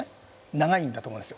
長いんだと思いますよ